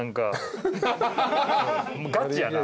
ガチやな。